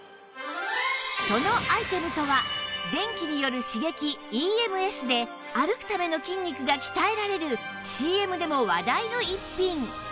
そのアイテムとは電気による刺激 ＥＭＳ で歩くための筋肉が鍛えられる ＣＭ でも話題の逸品